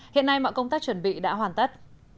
hiện nay mọi công tác chuẩn bị đã hoàn tất